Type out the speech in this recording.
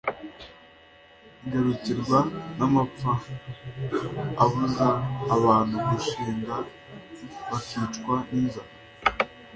igakurikirwa n’amapfa abuza abantu guhinga bakicwa n’inzara